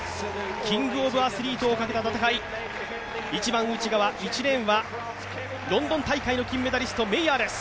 キングオブアスリートをかけた戦い一番内側１レーンはロンドン大会の金メダリスト、メイヤーです